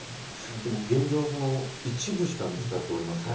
でも、現状は一部しか見つかっておりません。